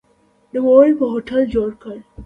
نوموړي په هوټل جوړ کړ.